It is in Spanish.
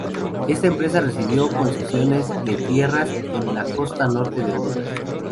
Esta empresa recibió concesiones de tierras en la costa norte de Honduras.